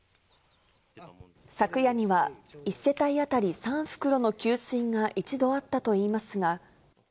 昨夜には、１世帯当たり３袋の給水が一度あったといいますが。